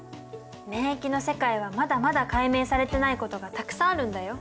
免疫の世界はまだまだ解明されてないことがたくさんあるんだよ。